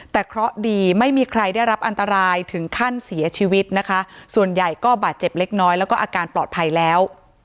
แต่เคราะห์ดีไม่มีใครได้รับอันตรายถึงขั้นเสียชีวิตนะคะส่วนใหญ่ก็บาดเจ็บเล็กน้อยแล้วก็อาการปลอดภัยแล้ว